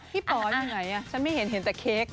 ป๋ออยู่ไหนฉันไม่เห็นเห็นแต่เค้ก